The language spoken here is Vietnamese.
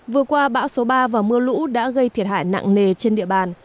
vừa qua bão số ba và mưa lũ đã gây thiệt hại nặng nề trên địa bàn